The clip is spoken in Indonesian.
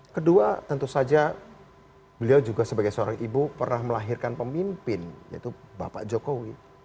kedua tentu saja beliau juga sebagai seorang ibu pernah melahirkan pemimpin yaitu bapak jokowi